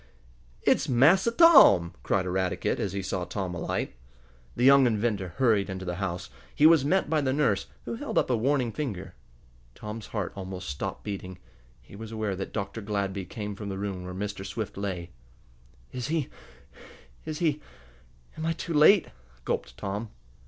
"It's Massa Tom!" cried Eradicate, as he saw Tom alight. The young inventor hurried into the house. He was met by the nurse, who held up a warning finger. Tom's heart almost stopped beating. He was aware that Dr. Gladby came from the room where Mr. Swift lay. "Is he is he am I too late?" gulped Tom.